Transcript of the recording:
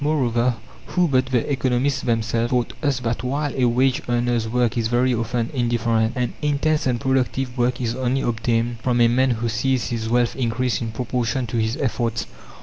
Moreover, who but the economists themselves taught us that while a wage earner's work is very often indifferent, an intense and productive work is only obtained from a man who sees his wealth increase in proportion to his efforts?